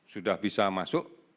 sudah bisa masuk